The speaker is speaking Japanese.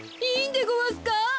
いいんでごわすか？